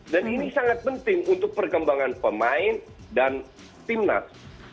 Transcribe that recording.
dan ini sangat penting untuk perkembangan pemain dan timnas